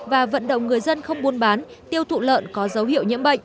và vận động người dân không buôn bán tiêu thụ lợn có dấu hiệu nhiễm bệnh